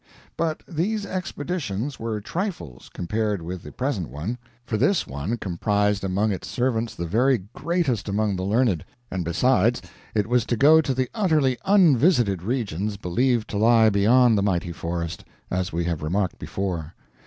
But these expeditions were trifles compared with the present one; for this one comprised among its servants the very greatest among the learned; and besides it was to go to the utterly unvisited regions believed to lie beyond the mighty forest as we have remarked before.